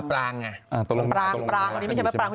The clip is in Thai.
ปรางของพี่เนี่ยใช่ปราง